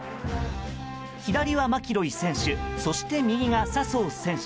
左はマキロイ選手そして右が笹生選手。